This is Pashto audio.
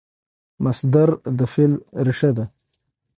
مصدر د فعل ریښه ده.